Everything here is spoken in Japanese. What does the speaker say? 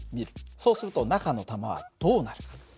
そうすると中の玉はどうなる？